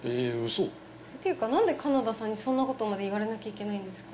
嘘⁉っていうか何で金田さんにそんなことまで言われなきゃいけないんですか？